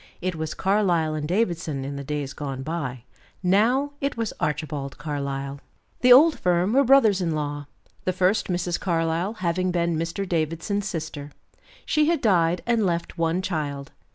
It was Carlyle & Davidson in the days gone by; now it was Archibald Carlyle. The old firm were brothers in law the first Mrs. Carlyle having been Mr. Davidson's sister. She had died and left one child.